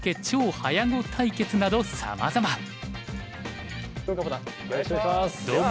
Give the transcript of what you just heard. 超早碁対決」などさまざま。